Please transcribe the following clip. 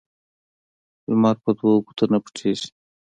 لمر په دو ګوتو نه پټېږي